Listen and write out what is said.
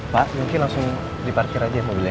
pak mungkin langsung di parkir aja mobilnya ya